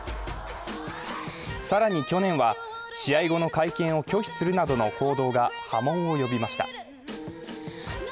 更に、去年は試合後の会見を拒否するなどの行動が波紋を呼びました。